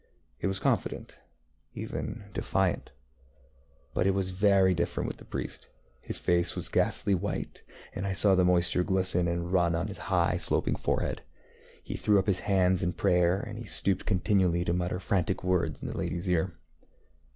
It was confidentŌĆöeven defiant. But it was very different with the priest. His face was ghastly white, and I saw the moisture glisten and run on his high, sloping forehead. He threw up his hands in prayer, and he stooped continually to mutter frantic words in the ladyŌĆÖs ear.